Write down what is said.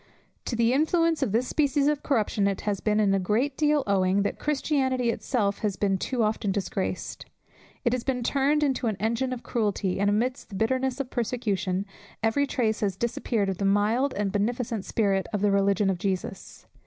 To the influence of this species of corruption it has been in a great degree owing, that Christianity itself has been too often disgraced. It has been turned into an engine of cruelty, and amidst the bitterness of persecution, every trace has disappeared of the mild and beneficent spirit of the religion of Jesus.